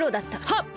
はっ。